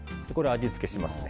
味付けしますね。